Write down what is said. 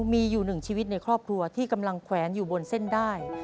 มีอยู่หนึ่งชีวิตในครอบครัวที่กำลังแขวนอยู่บนเส้นได้